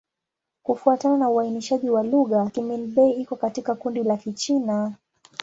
Kufuatana na uainishaji wa lugha, Kimin-Bei iko katika kundi la Kichina.